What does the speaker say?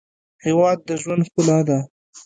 هېواد د ژوند ښکلا ده.